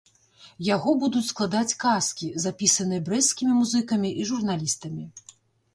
Яго будуць складаць казкі, запісаныя брэсцкімі музыкамі і журналістамі.